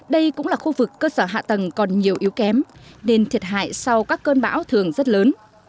đây cũng là khu vực cơ sở hạ tầng còn nhiều yếu kém nên thiệt hại sau các cơn bão thường rất lớn